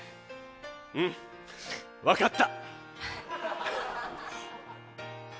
うんわかった！